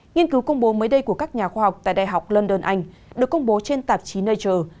nghiên cứu công bố mới đây của các nhà khoa học tại đại học london anh được công bố trên tạp chí nature